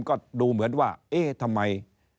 ก็ดูเหมือนว่าเอ๊ะทำไม